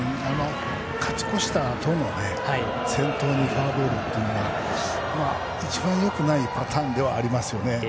勝ち越したあとの先頭にフォアボールというのは一番よくないパターンではあります。